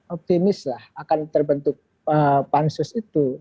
optimis lah akan terbentuk pansus itu